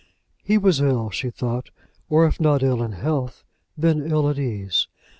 He was ill, she thought; or if not ill in health, then ill at ease.